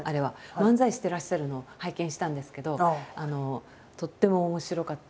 漫才してらっしゃるのを拝見したんですけどとっても面白かった。